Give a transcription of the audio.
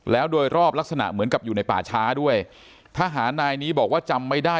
แล้วโดยรอบลักษณะเหมือนกับอยู่ในป่าช้าด้วยทหารนายนี้บอกว่าจำไม่ได้